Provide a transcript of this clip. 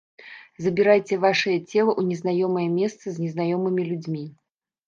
Забірайце вашае цела ў незнаёмыя месцы з незнаёмымі людзьмі.